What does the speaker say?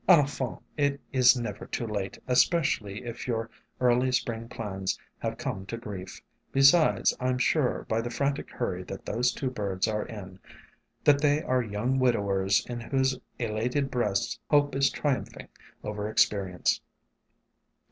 "Infant, it is never too late, especially if your early Spring plans have come to grief. Besides, I 'm sure by the frantic hurry that those two birds are in, that they are young widowers in whose elated breasts 'hope is triumphing over experi ence.'"